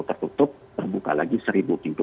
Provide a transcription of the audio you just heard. tertutup terbuka lagi seribu pintu